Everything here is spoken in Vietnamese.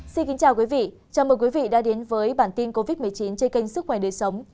xin kính chào quý vị chào mừng quý vị đã đến với bản tin covid một mươi chín trên kênh sức khỏe đời sống